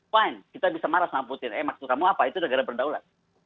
fine kita bisa marah sama putin eh maksud kamu apa itu negara berdaulat